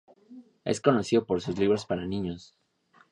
Es conocido por sus libros para niños.